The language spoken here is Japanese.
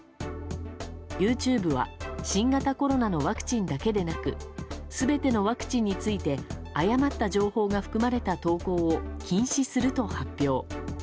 ＹｏｕＴｕｂｅは新型コロナのワクチンだけでなく全てのワクチンについて誤った情報が含まれた投稿を禁止すると発表。